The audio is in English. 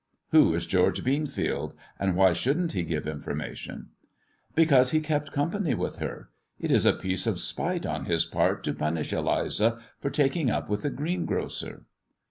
" Who is George Beanfield, and why shouldn't he give information 1 "" Because he kept company with her. It is a piece of spite on his part to punish Eliza for taking up with the greengrocer."